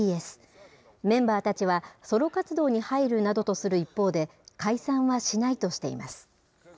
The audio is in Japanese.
メンバーたちは、ソロ活動に入るなどとする一方で、解散はしないとしています。